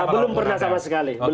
belum pernah sama sekali